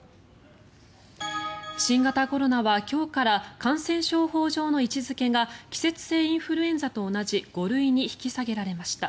新型コロナは今日から感染症法上の位置付けが季節性インフルエンザと同じ５類に引き下げられました。